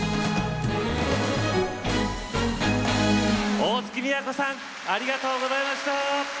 大月みやこさんありがとうございました。